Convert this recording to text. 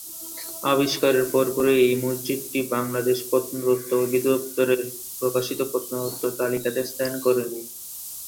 আবিষ্কারের পরপরই এ মসজিদটি বাংলাদেশ প্রত্নতত্ত্ব অধিদপ্তরের প্রকাশিত প্রত্নতত্ত্ব তালিকাতে স্থান করে নেয়।